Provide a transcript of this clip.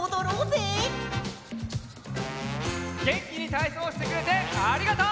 げんきにたいそうしてくれてありがとう！